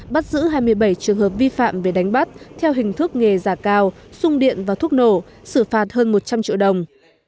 bắt giữ hai mươi bảy trường hợp vi phạm về đánh bắt theo hình thức nghề giả cao sung điện và thuốc nổ xử phạt hơn một trăm linh triệu đồng